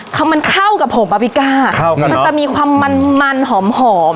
เขามันเข้ากับผงบาร์บีก้าเข้ากันเนอะมันจะมีความมันมันหอมหอม